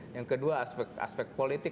yang kedua aspek aspek politik